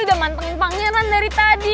udah mantengin pangeran dari tadi